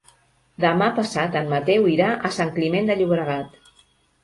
Demà passat en Mateu irà a Sant Climent de Llobregat.